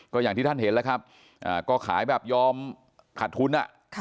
ก็อย่างที่ท่านเห็นแล้วครับก็ขายแบบยอมขาดทุน